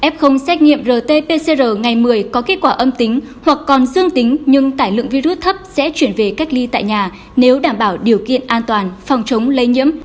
f xét nghiệm rt pcr ngày một mươi có kết quả âm tính hoặc còn dương tính nhưng tải lượng virus thấp sẽ chuyển về cách ly tại nhà nếu đảm bảo điều kiện an toàn phòng chống lây nhiễm